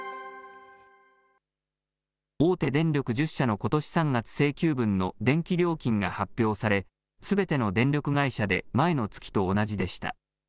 大手電力１０社のことし３月請求分の電気料金が発表され、すべての電力会社で前の月と同じでした。